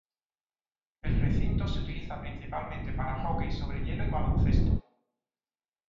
El recinto se utiliza principalmente para hockey sobre hielo y baloncesto.